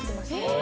え？